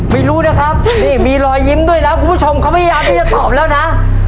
ไม่รู้นะครับนี่มีรอยยิ้มด้วยแล้วคุณผู้ชมเขาพยายามที่จะตอบแล้วนะ